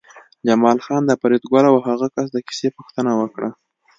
جمال خان د فریدګل او هغه کس د کیسې پوښتنه وکړه